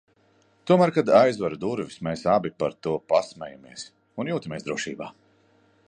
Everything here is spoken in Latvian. Tomēr, kad aizveru durvis, mēs abi par to pasmejies un jūtamies drošībā.